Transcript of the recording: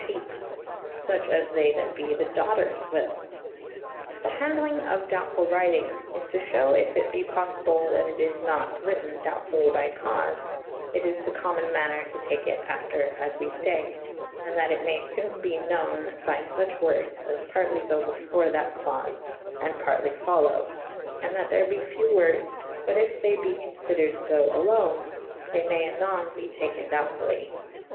fhepe / fuche as they that be the doughters wyll. The handelyng of doutfull wrytyng is to fhew yf it be poffible that it is nat wrytew doutfully by caufe it is the como« maner to take it after as we fay /& that it may fone be knowen by fuche wordes as partely go before that claufe & partly folow /& that there be few wordes / but if they be confidered fo alone / they may anon be taken doubtfully.